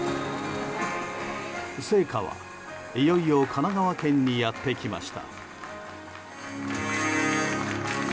聖火は、いよいよ神奈川県にやってきました。